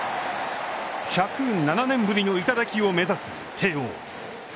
１０７年ぶりの頂を目指す慶応。